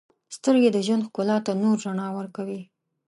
• سترګې د ژوند ښکلا ته نور رڼا ورکوي.